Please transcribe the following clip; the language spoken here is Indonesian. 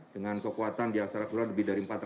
dengan kekuatan yang secara kurang lebih dari